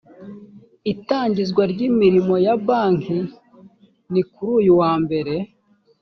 itangizwa ry’ imirimo ya banki nikuruyu wambere.